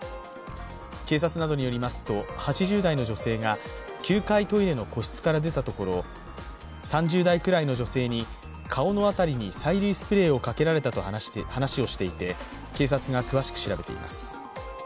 警察などによりますと、８０代の女性が９階トイレの個室から出たところ３０代ぐらいの女性に顔の辺りに催涙スプレーを掛けられたと話をしていて警察が詳しく調べています。